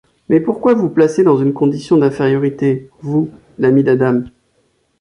Mais pourquoi vous placer dans une condition d’infériorité, vous, l’ami d’Adam?